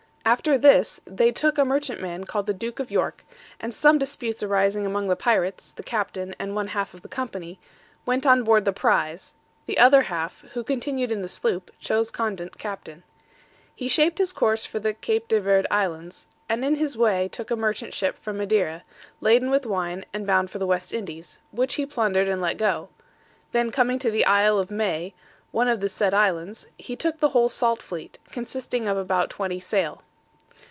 After this, they took a merchantman called the Duke of York; and some disputes arising among the pirates, the captain, and one half of the company, went on board the prize; the other half, who continued in the sloop, chose Condent captain. He shaped his course for the Cape de Verd Islands, and in his way took a merchant ship from Madeira, laden with wine, and bound for the West Indies, which he plundered and let go; then coming to the Isle of May, one of the said islands, he took the whole salt fleet, consisting of about 20 sail.